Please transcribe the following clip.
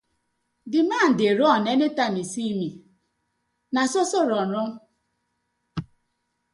Di man dey run anytime im see mi no so so run.